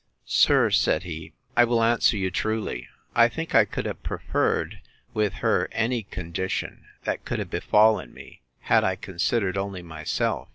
Sir, said he, I will answer you truly. I think I could have preferred, with her, any condition that could have befallen me, had I considered only myself.